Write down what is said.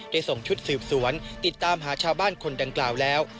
ส่งชุดสืบสวนติดตามหาชาวบ้านคนดังกล่าวแล้ว